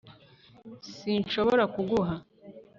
Sinshobora kuguha